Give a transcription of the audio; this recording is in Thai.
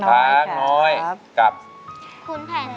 ร้องได้ให้ร้าง